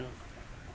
untuk kehidupan kita